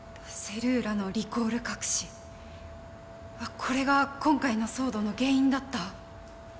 セルーラのリコール隠しこれが今回の騒動の原因だった？